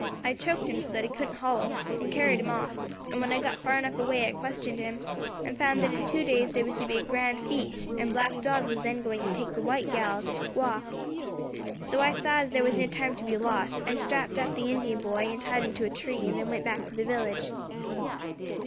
I choked him, so that he couldn't hollo, and carried him off; and when I got far enough away I questioned him, and found that in two days there was to be a grand feast, and Black Dog was then going to take the white gal as his squaw. So I saw as there was no time to be lost. I strapped up the Indian boy and tied him to a tree, and then went back to the village.